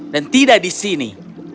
dan tidak di sini